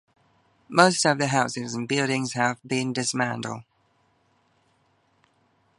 Most of the houses and buildings have been dismantled.